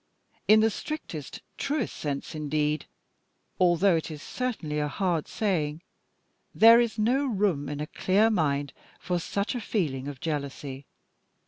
In the strictest, truest sense, indeed, although it is certainly a hard saying, there is no room in a clear mind for such a feeling of jealousy.